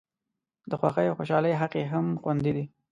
د خوښۍ او خوشالۍ حق یې هم خوندي دی.